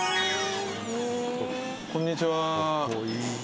こんにちは。